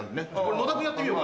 野田君やってみようか。